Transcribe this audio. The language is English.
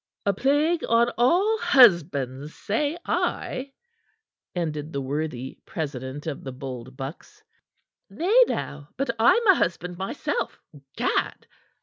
"A plague on all husbands, say I," ended the worthy president of the Bold Bucks. "Nay, now, but I'm a husband myself, gad!"